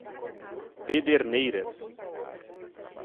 Pederneiras